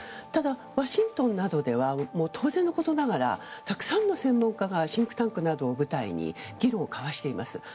ただ、ワシントンなどでは当然のことながらたくさんの専門家がシンクタンクなどを舞台に議論を交わしています。